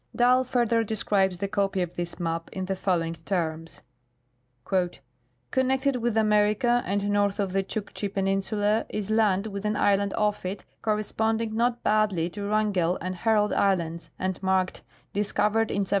Dall further describes the copy of this map in the following terms :" Connected with America and north of the Chukchi peninsula is land with an island off it corresponding not badly to Wrangell and Herald islands and marked ' Discovered in 1722.'